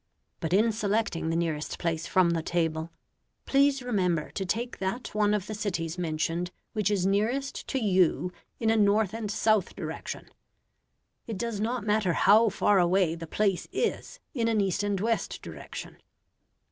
But in selecting the nearest place from the table, please remember to take that one of the cities mentioned which is nearest to you in a north and south direction. It does not matter how far away the place is in an east and west direction.